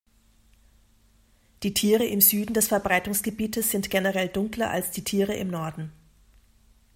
Die Tiere im Süden des Verbreitungsgebietes sind generell dunkler als die Tiere im Norden.